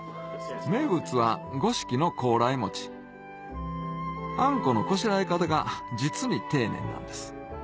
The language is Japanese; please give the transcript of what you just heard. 名物は五色の高麗餅あんこのこしらえ方が実に丁寧なんです